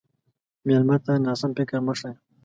مېلمه ته ناسم فکر مه ښیه.